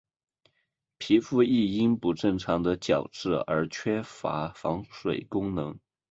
皮肤亦因不正常的角质而缺乏防水功能。